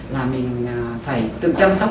là mình phải tự chăm sóc mình